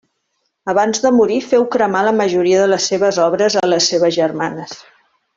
Abans de morir, feu cremar la majoria de les seves obres a les seves germanes.